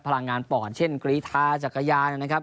พลังงานปอดเช่นกรีธาจักรยานนะครับ